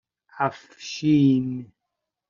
اَفشین